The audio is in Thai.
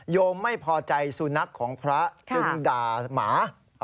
โยมไม่พอใจสุนัขของพระจึงด่าหมา